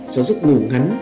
gió giấc ngủ ngắn